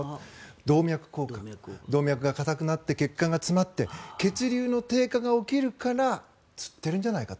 動脈硬化動脈が硬くなって血管が詰まって血流の低下が起きるからつってるんじゃないかと。